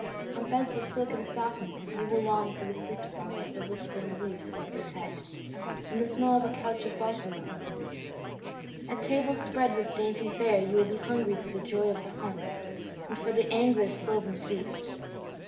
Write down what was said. On beds of silken softness you will long for the sleep song of whispering leaves above your head, and the smell of a couch of balsam boughs. At tables spread with dainty fare you will be hungry for the joy of the hunt, and for the angler's sylvan feast.